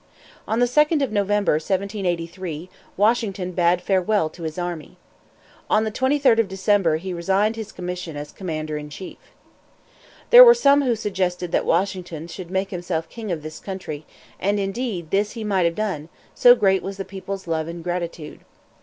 On the 2d of November, 1783, Washington bade farewell to his army. On the 23d of December he resigned his commission as commander in chief. There were some who suggested that Washington should make himself king of this country; and indeed this he might have done, so great was the people's love and gratitude.